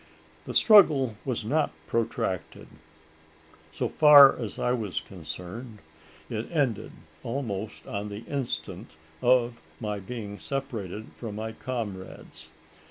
The struggle was not protracted. So far as I was concerned, it ended, almost on the instant of my being separated from my comrades.